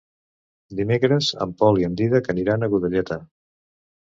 Dimecres en Pol i en Dídac aniran a Godelleta.